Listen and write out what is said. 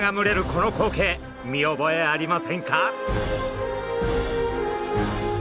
この光景見覚えありませんか？